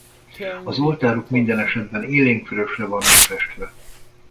Az oltárok minden esetben élénkvörösre vannak festve.